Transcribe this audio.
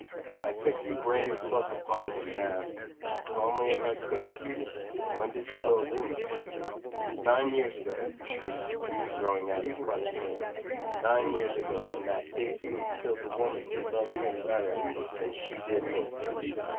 I fixed a grave look upon him and asked, as calmly as I could: "And when did you go luny?" "Nine years ago!" he shrieked, throwing out his clenched hands—"nine years ago, w'en that big brute killed the woman who loved him better than she did me!